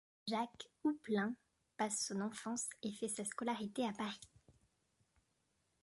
Jacques Houplain passe son enfance et fait sa scolarité à Paris.